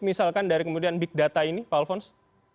misalkan dari kemudian big data ini pak alfons